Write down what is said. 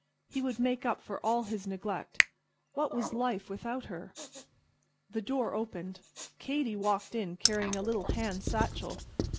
He would make up for all his neglect. What was life without her? The door opened. Katy walked in carrying a little hand satchel.